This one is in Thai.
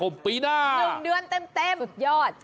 สุดยอด